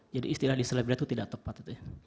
jadi istilah diselebrate itu tidak tepat